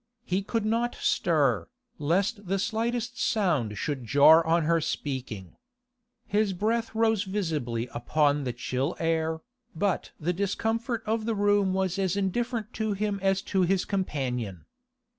He could not stir, lest the slightest sound should jar on her speaking. His breath rose visibly upon the chill air, but the discomfort of the room was as indifferent to him as to his companion.